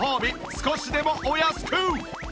少しでもお安く！